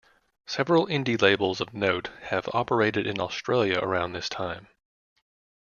Several indie labels of note have operated in Australia around this time.